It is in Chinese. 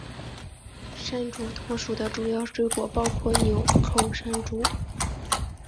山竹同属的主要水果包括钮扣山竹。